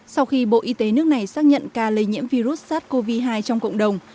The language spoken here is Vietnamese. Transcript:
sau khi bộ y tế nước này xác nhận ca lây nhiễm virus sars cov hai trong cộng đồng